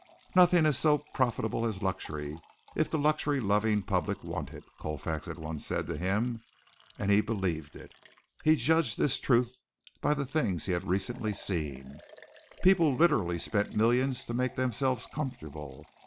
"Nothing is so profitable as a luxury, if the luxury loving public want it," Colfax had once said to him; and he believed it. He judged this truth by the things he had recently seen. People literally spent millions to make themselves comfortable.